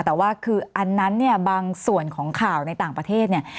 แต่ว่าคืออันนั้นเนี่ยบางส่วนของข่าวในต่างประเทศเนี่ย